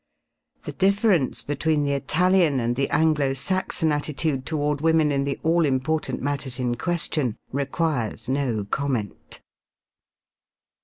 The difference between the Italian and the Anglo Saxon attitude toward women in the all important matters in question requires no comment.